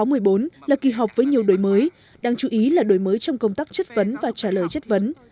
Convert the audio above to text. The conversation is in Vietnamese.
kỳ họp thứ năm quốc hội khóa một mươi bốn là kỳ họp với nhiều đổi mới đáng chú ý là đổi mới trong công tác chất vấn và trả lời chất vấn